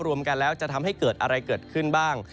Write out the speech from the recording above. รวมกันแล้วจะทำให้เกิดอะไรเกิดขึ้นบ้าง